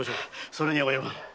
それには及ばぬ。